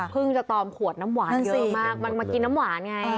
จะตอมขวดน้ำหวานเยอะมากมันมากินน้ำหวานไง